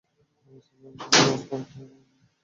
মুসলমানরা চলে যাওয়ার পর খালিদ আরেক খালিদে রূপ নেন।